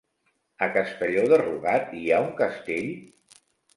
A Castelló de Rugat hi ha un castell?